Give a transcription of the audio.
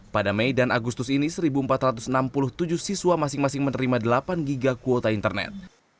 pada mei dan agustus ini satu empat ratus enam puluh tujuh siswa masing masing menerima delapan giga kuota internet